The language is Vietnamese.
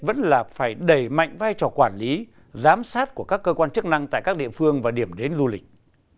vẫn là phải đẩy mạnh vai trò quản lý giám sát của các cơ quan chức năng tại các địa phương và điểm đến du lịch